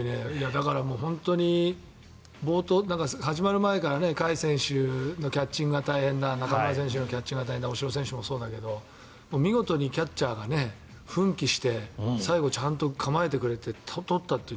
だから本当に冒頭、始まる前から甲斐選手のキャッチングが大変だ中村選手のキャッチングが大変だ大城選手もそうだけど見事にキャッチャーが奮起して最後、ちゃんと構えてくれて取ったという。